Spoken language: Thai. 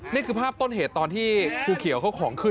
นี่คือภาพต้นเหตุตอนที่ครูเขียวเขาของขึ้น